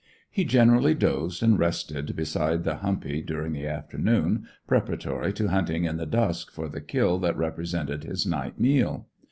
He generally dozed and rested beside the humpy during the afternoon, preparatory to hunting in the dusk for the kill that represented his night meal.